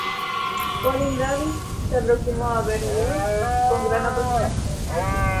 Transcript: Colin Davis se aproximó a Berlioz con gran apasionamiento.